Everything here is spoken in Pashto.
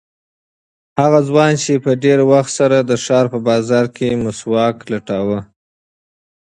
هغه ځوان په ډېر دقت سره د ښار په بازار کې مسواک لټاوه.